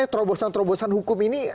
terobosan terobosan hukum ini